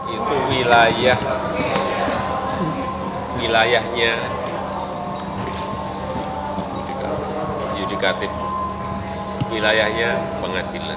itu wilayahnya yudikatif wilayahnya pengadilan